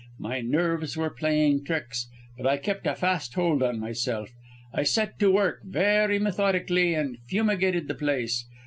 My nerves were playing tricks, but I kept a fast hold on myself. I set to work, very methodically, and fumigated the place.